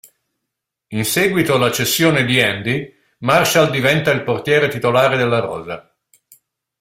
In seguito alla cessione di Andy Marshall diventa il portiere titolare della rosa.